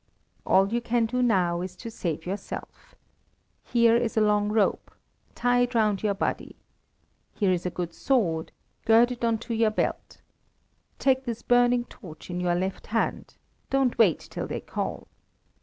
"All you can do now is to save yourself. Here is a long rope; tie it round your body. Here is a good sword; gird it on to your belt. Take this burning torch in your left hand; don't wait till they call.